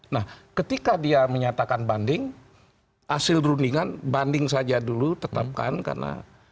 nah ketika dia menyatakan banding hasil perundingan banding saja dulu tetapkan karena